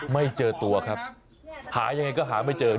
ไม่เจอตัวครับหายังไงก็หาไม่เจอ